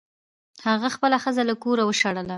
هغه خپله ښځه له کوره وشړله.